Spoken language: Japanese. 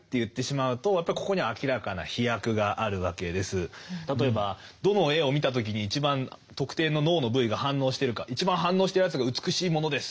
だからこれ例えばどの絵を見た時に一番特定の脳の部位が反応してるか「一番反応したやつが美しいものです」